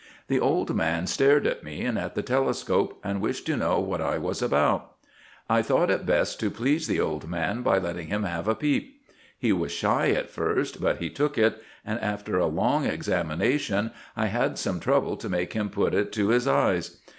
The old man stared at me and at the telescope, and wished to know what I was about. I thought it best to please the old man by letting him have a peep. He was shy at first, but he took it ; and, after a long examination, I had some trouble to make him put it to his eyes.